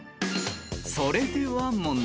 ［それでは問題］